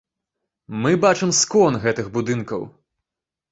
Мы бачым скон гэтых будынкаў.